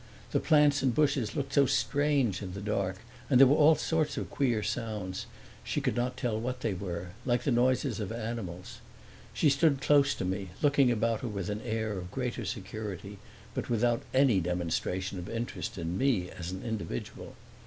The plants and bushes looked so strange in the dark, and there were all sorts of queer sounds she could not tell what they were like the noises of animals. She stood close to me, looking about her with an air of greater security but without any demonstration of interest in me as an individual.